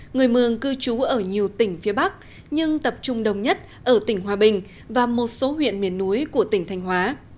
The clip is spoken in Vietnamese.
người mường cư trú ở nhiều tỉnh phía bắc nhưng tập trung đông nhất ở tỉnh hòa bình và một số huyện miền núi của tỉnh thanh hóa